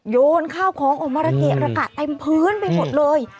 โยนข้าวของออกมาระเกะระกะเต็มพื้นไปหมดเลย